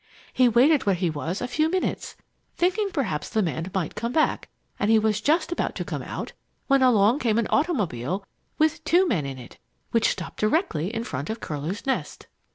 "He waited where he was a few minutes, thinking possibly the man might come back, and he was just about to come out, when along came an automobile with two men in it, which stopped directly in front of Curlew's Nest.